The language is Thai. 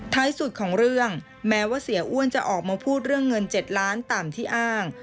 สุดของเรื่องแม้ว่าเสียอ้วนจะออกมาพูดเรื่องเงิน๗ล้านตามที่อ้าง